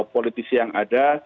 politisi yang ada